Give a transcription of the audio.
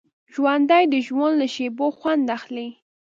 ژوندي د ژوند له شېبو خوند اخلي